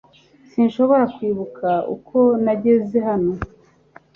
Sinshobora kwibuka uko nageze hano